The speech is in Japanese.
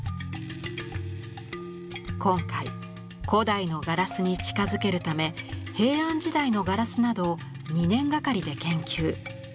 今回古代のガラスに近づけるため平安時代のガラスなどを２年がかりで研究。